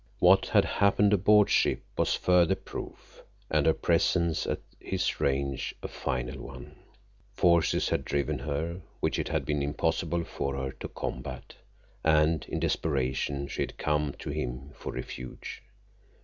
What had happened aboard ship was further proof, and her presence at his range a final one. Forces had driven her which it had been impossible for her to combat, and in desperation she had come to him for refuge.